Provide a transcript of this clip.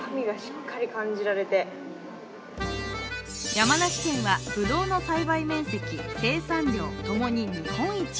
山梨県はぶどうの栽培面積、生産量共に日本一。